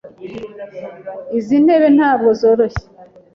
Izi ntebe ntabwo zoroshye.